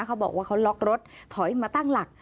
เขาบอกว่าเขาล็อกรถถอยมาตั้งหลัก